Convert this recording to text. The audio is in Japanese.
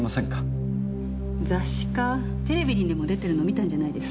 雑誌かテレビにでも出てるの見たんじゃないですか？